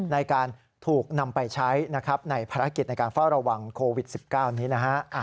ในการถูกนำไปใช้ในภาระกิจในการเฝ้าระวังโควิด๑๙อันนี้นะครับ